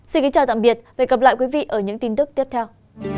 xin kính chào tạm biệt và hẹn gặp lại quý vị ở những tin tức tiếp theo